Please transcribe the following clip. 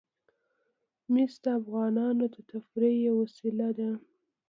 مس د افغانانو د تفریح یوه وسیله ده.